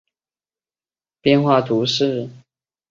圣格雷瓜尔人口变化图示